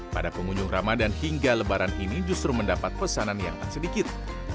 pada pengunjung ramadan hingga lebaran ini justru mendapat pesanan yang tak sedikit